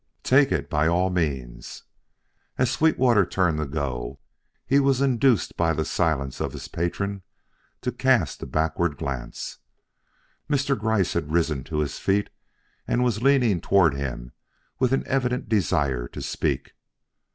"Take it, by all means." As Sweetwater turned to go, he was induced by the silence of his patron to cast a backward glance. Mr. Gryce had risen to his feet and was leaning toward him with an evident desire to speak.